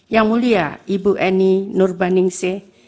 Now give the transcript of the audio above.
yang mulia ibu eni nurbaningsih